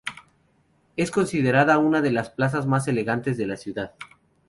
Es considerada una de las plazas más elegantes de la ciudad.